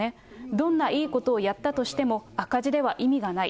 どんないいことをやったとしても赤字では意味がない。